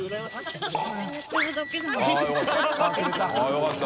△よかった。